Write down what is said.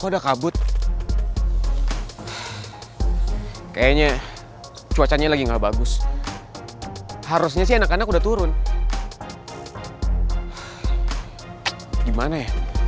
udah kabut kayaknya cuacanya lagi nggak bagus harusnya sih anak anak udah turun gimana ya